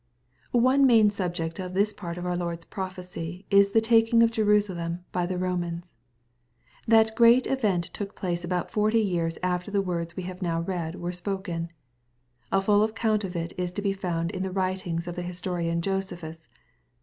/ One main subject of this part of our Lord's prophecy, V is the taking of Jerusalem by the Eomans. \That great event took place about forty years after the words we have now read were spoken. A full account of it is to be found in the writings of the historian Josephus.